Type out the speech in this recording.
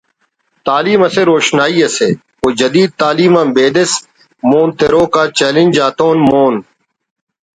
تعلیم اسہ روشنائی اسے و جدید تعلیم آن بیدس مون تروک آ چیلنج آتتون مون